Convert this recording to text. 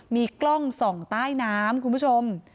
มีกล้องส่องใต้น้ำคุณผู้ชม